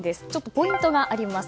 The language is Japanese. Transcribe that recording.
ポイントがあります。